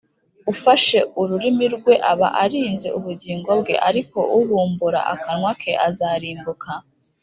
ufashe ururimi rwe aba arinze ubugingo bwe, ariko ubumbura akanwa ke azarimbuka